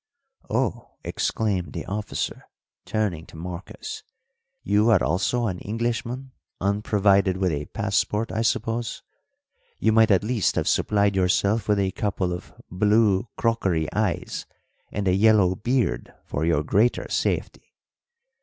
"Oh!" exclaimed the officer, turning to Marcos, "you are also an Englishman unprovided with a passport, I suppose? You might at least have supplied yourself with a couple of blue crockery eyes and a yellow beard for your greater safety."